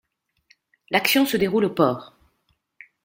L'action se déroule au port.